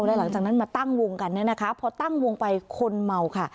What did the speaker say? แล้วหลังจากนั้นมาตั้งวงกันเนี่ยนะคะพอตั้งวงไปคนเมาค่ะ